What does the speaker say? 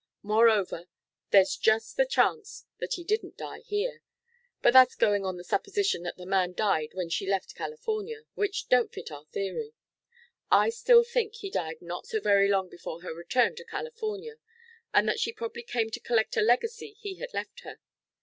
Moreover, there's just the chance that he didn't die here. But that's going on the supposition that the man died when she left California, which don't fit our theory. I still think he died not so very long before her return to California, and that she probably came to collect a legacy he had left her.